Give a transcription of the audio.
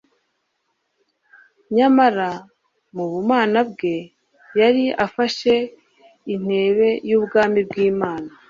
nyamara mu bumana bwe yari afashe intebe y'ubwami bw'Imana.